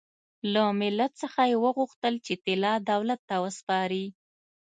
له ملت څخه یې وغوښتل چې طلا دولت ته وسپاري.